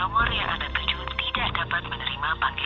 mana ada kegiatan kampus sampe malem malem kayak gini